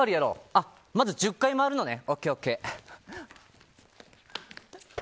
あ、まず１０回、回るのね。